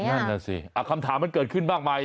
นั่นน่ะสิคำถามมันเกิดขึ้นมากมาย